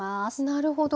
なるほど。